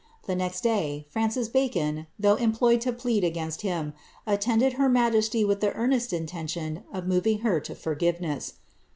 The next day, Francis Bacon, though employed to plead against him, attended her majesty with the earnest intention of moving her to forgiveness.'